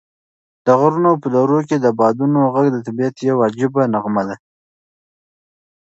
د غرونو په درو کې د بادونو غږ د طبعیت یوه عجیبه نغمه ده.